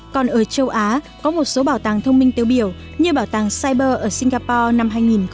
còn ở châu á có một số bảo tàng thông minh tiêu biểu như bảo tàng cyber ở singapore năm hai nghìn một mươi tám